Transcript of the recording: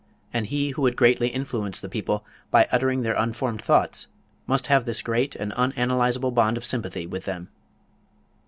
And he who would greatly influence the people by uttering their unformed thoughts must have this great and unanalyzable bond of sympathy with them."